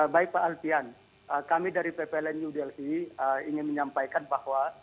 baik pak alpian kami dari ppl new delhi ingin menyampaikan bahwa